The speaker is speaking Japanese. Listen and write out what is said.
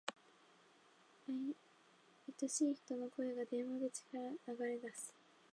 愛しい人の声が、電話口から流れ出す。